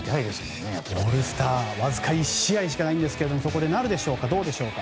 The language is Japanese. オールスターはわずか１試合しかありませんがそこでなるかどうか。